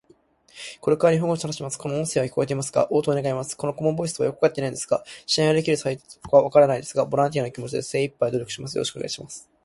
これから日本語について話します。この音声は聞こえてますか？応答願います。この顧問ボイスとはよく分かっていないのですが信頼できるサイトか分からないですが、ボランティアの気持ちで精いっぱい努力します。よろしくお願いいたします。